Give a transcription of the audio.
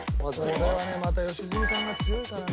これはねまた良純さんが強いからな。